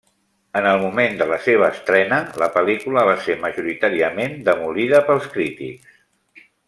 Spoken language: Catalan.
En el moment de la seva estrena, la pel·lícula va ser majoritàriament demolida pels crítics.